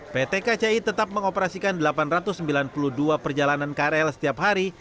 pt kci tetap mengoperasikan delapan ratus sembilan puluh dua perjalanan krl setiap hari